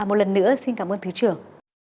một lần nữa xin cảm ơn thứ trưởng